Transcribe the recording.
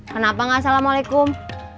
kenapa gak assalamualaikum